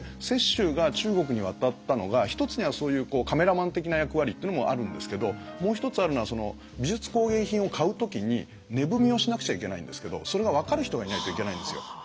雪舟が中国に渡ったのが一つにはそういうカメラマン的な役割っていうのもあるんですけどもう一つあるのは美術工芸品を買う時に値踏みをしなくちゃいけないんですけどそれが分かる人がいないといけないんですよ。